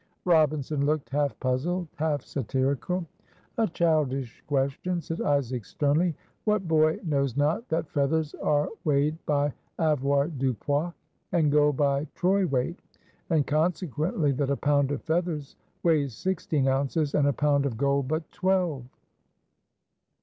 Robinson looked half puzzled, half satirical. "A childish question," said Isaac sternly. "What boy knows not that feathers are weighed by Avoirdupois, and gold by Troy weight, and consequently that a pound of feathers weighs sixteen ounces, and a pound of gold but twelve?"